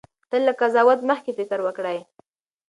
تل له قضاوت مخکې فکر وکړئ.